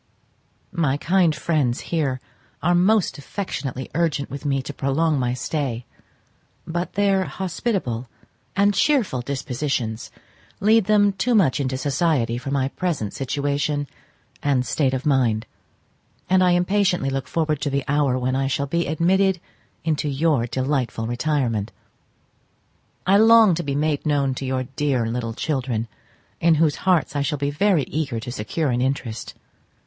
My kind friends here are most affectionately urgent with me to prolong my stay, but their hospitable and cheerful dispositions lead them too much into society for my present situation and state of mind; and I impatiently look forward to the hour when I shall be admitted into your delightful retirement. I long to be made known to your dear little children, in whose hearts I shall be very eager to secure an interest.